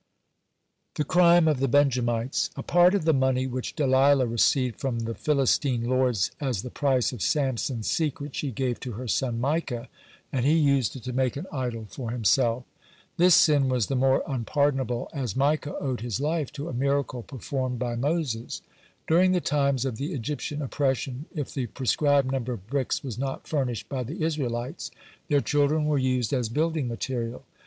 (124) THE CRIME OF THE BENJAMITES A part of the money which Delilah received from the Philistine lords as the price of Samson's secret, she gave to her son Micah, and he used it to make an idol for himself. (125) This sin was the more unpardonable as Micah owed his life to a miracle performed by Moses. During the times of the Egyptian oppression, if the prescribed number of bricks was not furnished by the Israelites, their children were used as building material.